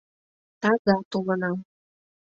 Таза толынам.